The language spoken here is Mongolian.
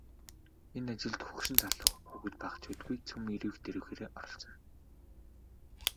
Энэ ажилд хөгшин залуу, хүүхэд багачуудгүй цөм эрвийх дэрвийхээрээ оролцоно.